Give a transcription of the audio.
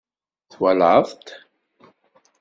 Twalaḍ-t?